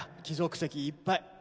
貴族席いっぱい。